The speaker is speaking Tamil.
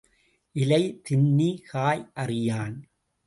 இலை தின்னி காய் அறியான்.